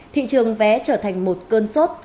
thị trường vé trở thành một cơn sốt